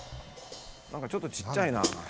何かちょっとちっちゃいな。